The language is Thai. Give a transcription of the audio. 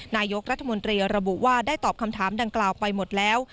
นายกรัฐมนตรีระบุว่าได้ตอบคำถามดังกล่าวไปหมดแล้ว